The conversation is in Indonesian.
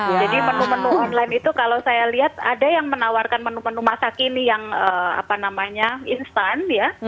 jadi menu menu online itu kalau saya lihat ada yang menawarkan menu menu masak ini yang apa namanya instan ya